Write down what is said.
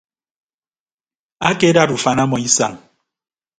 Akedad ufan ọmọ isañ.